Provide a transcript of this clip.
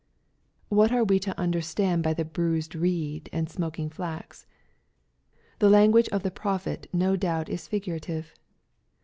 '' What are we to understand by the bruised reed, and smoking flax ? The language of the prophet no doubt is figurative.